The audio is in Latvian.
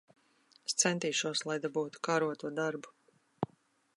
Es centīšos, lai dabūtu kāroto darbu.